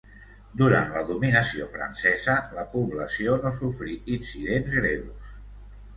Durant la dominació francesa la població no sofrí incidents greus.